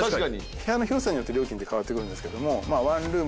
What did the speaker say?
部屋の広さによって料金って変わってくるんですけども。